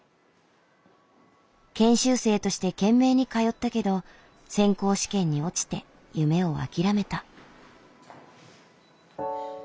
研修生として懸命に通ったけど選考試験に落ちて夢を諦めた。